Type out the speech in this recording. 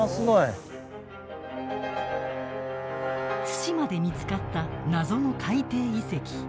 対馬で見つかった謎の海底遺跡。